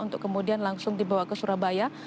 untuk kemudian langsung dibawa ke surabaya